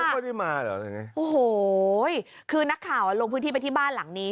พวกเขาได้มาเหรอโอ้โหคือนักข่าวอ่ะลงพื้นที่ไปที่บ้านหลังนี้